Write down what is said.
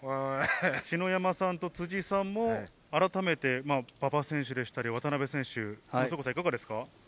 篠山さんと辻さんも改めて馬場選手や渡邊選手、いかがですか？